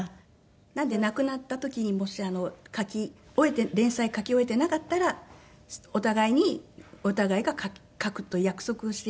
なので亡くなった時にもし連載書き終えていなかったらお互いにお互いが書くと約束をしていて。